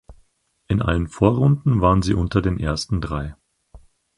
In allen Vorrunden waren sie unter den erste drei.